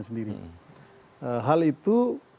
sendiri hal itu